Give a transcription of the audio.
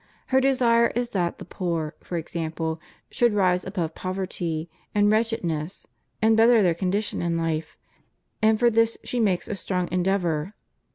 Her desire is that the poor, for example, should rise above poverty and wretchedness, and better their condition in hfe ; and for this she makes a strong endeavor.